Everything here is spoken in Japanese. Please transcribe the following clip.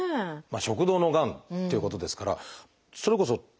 食道のがんっていうことですからそれこそ取ったあと